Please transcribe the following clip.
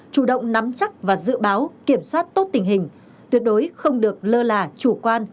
chủ động nắm chắc và dự báo kiểm soát tốt tình hình tuyệt đối không được lơ là chủ quan